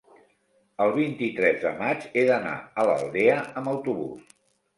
el vint-i-tres de maig he d'anar a l'Aldea amb autobús.